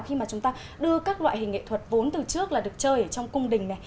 khi mà chúng ta đưa các loại hình nghệ thuật vốn từ trước là được chơi ở trong cung đình này